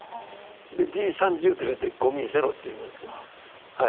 で「Ｇ３０」って書いて「ゴミゼロ」って意味なんですけどはい。